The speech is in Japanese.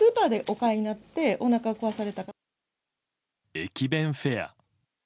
駅弁フェア。